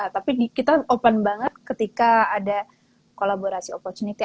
tapi kita open banget ketika ada kolaborasi opportunity